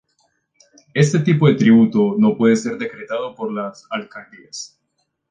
Este tipo de tributo no puede ser decretado por las alcaldías.